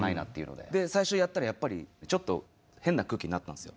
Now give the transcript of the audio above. で最初やったらやっぱりちょっと変な空気になったんすよ。